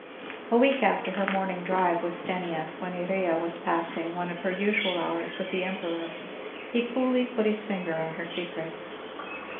A week after her morning drive with Stanief, when Iría was passing one of her usual hours with the Emperor, he coolly put his finger on her secret.